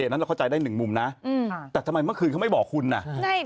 นั้นเราเข้าใจได้หนึ่งมุมนะแต่ทำไมเมื่อคืนเขาไม่บอกคุณอ่ะ